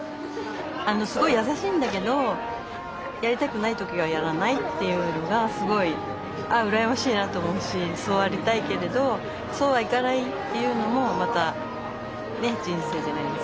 すごい優しいんだけどやりたくない時はやらないっていうのがすごい「ああ羨ましいな」と思うしそうありたいけれどそうはいかないっていうのもまたね人生じゃないですか。